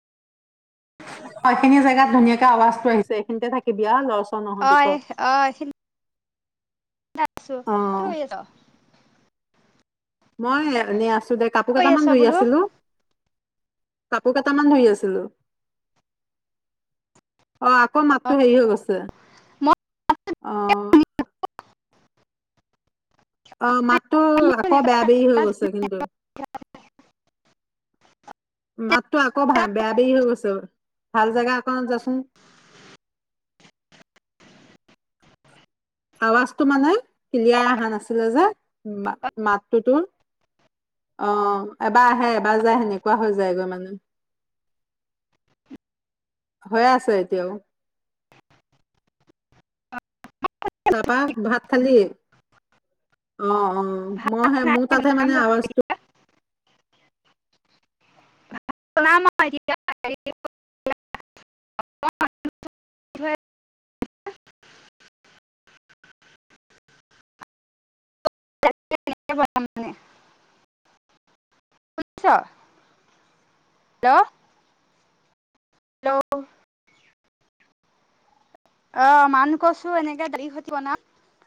হয় খিনি জোগাত ধুনীয়াকে আৱাজটো আহিছে এইখিনিতে থাকিবি লৰা ছোৱালী। আহ আহ। ছো অ কি হৈ আছ। মন ল ন আ কি কাপোৰ কৰি কেইটামান আছ ধুই বোলো আছিলো? কাপোৰ কেইটামান ধুই আছিলো? অ আকৌ অ মাতটো হেৰি হৈ গৈছে মই অ। ক হেল্ল' বেয়া বে হৈ গৈছে কিন্ত। মাতটো আকৌ ভ বেয়া বেৰি হৈ গৈছে ভাল জাগা অক যাচোন। আৱাজটো মানে ক্লিয়াৰ অহা নাছিলে যে মাতটোতোৰ আহ এবাৰ আহে এবাৰ যায় সেনেকুৱা হৈ যায়গৈ মানে হৈ আছে এতিয়াও। তাৰাপা ভাত খালি। অ অ মইহে মোৰ তাতহে মানে আৱাজটো। [unintelligible] [unintelligible] শুনিছ হেল্ল। হেল্ল' অ মান কছু এনেকে দালি খৈনি বনাম।